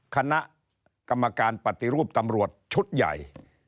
คณะกรรมการปฏิรูปตำรวจชุดใหญ่